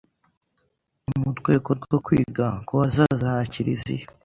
mu rwego rwo kwiga ku hazaza ha Kiliziya